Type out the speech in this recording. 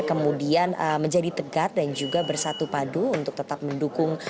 kemudian menjadi tegar dan juga bersatu padu untuk tetap mendukung